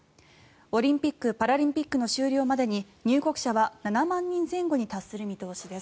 オリンピック・パラリンピックの終了までに入国者は７万人前後に達する見通しです。